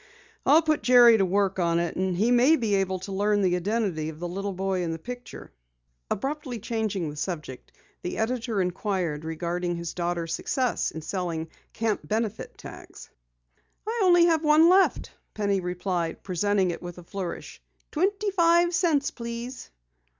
"I'll put Jerry to work on it and he may be able to learn the identity of the little boy in the picture." Abruptly changing the subject, the editor inquired regarding his daughter's success in selling Camp Benefit tags. "I have only one left," Penny replied, presenting it with a flourish. "Twenty five cents, please."